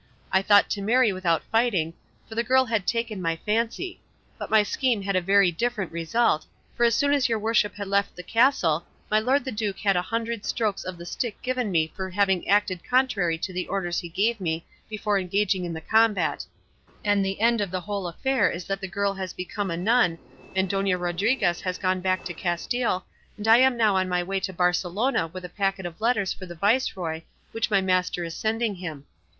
I thought to marry without fighting, for the girl had taken my fancy; but my scheme had a very different result, for as soon as your worship had left the castle my lord the duke had a hundred strokes of the stick given me for having acted contrary to the orders he gave me before engaging in the combat; and the end of the whole affair is that the girl has become a nun, and Dona Rodriguez has gone back to Castile, and I am now on my way to Barcelona with a packet of letters for the viceroy which my master is sending him.